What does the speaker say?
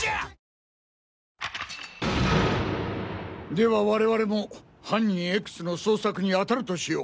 では我々も犯人“Ｘ”の捜索に当たるとしよう。